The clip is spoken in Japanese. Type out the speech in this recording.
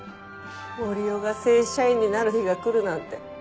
森生が正社員になる日が来るなんて。